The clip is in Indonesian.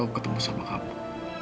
kau ketemu sama kamu